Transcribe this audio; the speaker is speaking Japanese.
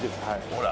ほら。